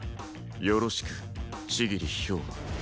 よろしく千切豹馬。